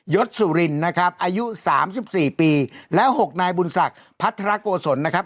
ศสุรินนะครับอายุสามสิบสี่ปีแล้ว๖นายบุญศักดิ์พัฒนาโกศลนะครับ